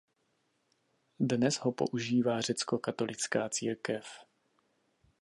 Dnes ho používá řeckokatolická církev.